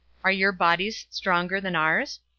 Are your bodies stronger than ours?